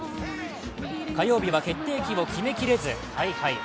火曜日は決定機を決めきれず大敗。